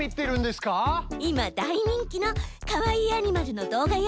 今大人気のカワイイアニマルの動画よ。